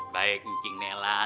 baik cing nela